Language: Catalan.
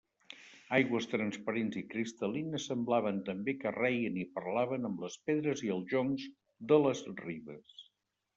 Aigües transparents i cristal·lines semblaven també que reien i parlaven amb les pedres i els joncs de les ribes.